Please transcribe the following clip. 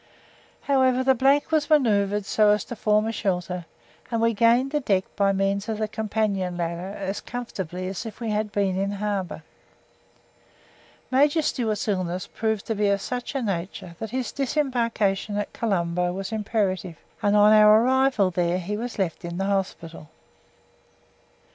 However, the was manoeuvred so as to form a shelter, and we gained the deck by means of the companion ladder as comfortably as if we had been in harbour. Major Stewart's illness proved to be of such a nature that his disembarkation at Colombo was imperative, and on our arrival there he was left in the hospital.